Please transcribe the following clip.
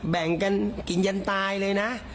แบ่งกันกินยันตายเลยนะ